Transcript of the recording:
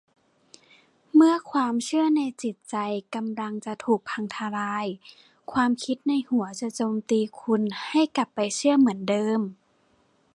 เมื่อความเชื่อในจิตใจกำลังจะถูกพังทะลาย ความคิดในหัวจะโจมตีคุณให้กลับไปเชื่อเหมือนเดิม